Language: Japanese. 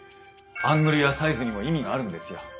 アングルやサイズにも意味があるんですよ。